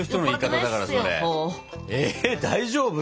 え大丈夫？